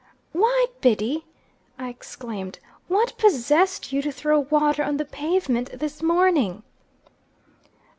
"Why, Biddy!" I exclaimed, "what possessed you to throw water on the pavement this morning?"